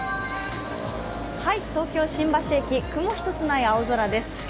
東京・新橋駅、雲一つない青空です。